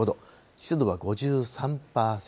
湿度は５３％。